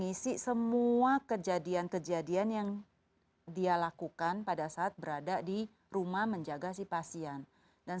mengisi semua kejadian kejadian yang dia lakukan pada saat berada di rumah menjaga si pasien dan